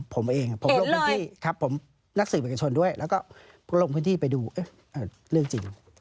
ผมเองผมลงพื้นที่ครับผมนักสื่อบัญชนด้วยแล้วก็ลงพื้นที่ไปดูเรื่องจริง